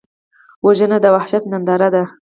وژنه د وحشت ننداره ده